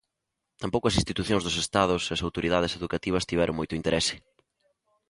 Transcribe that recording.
Tampouco as institucións dos estados e as autoridades educativas tiveron moito interese.